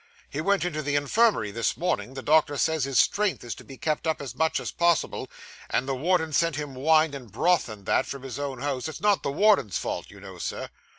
He went into the infirmary, this morning; the doctor says his strength is to be kept up as much as possible; and the warden's sent him wine and broth and that, from his own house. It's not the warden's fault, you know, sir.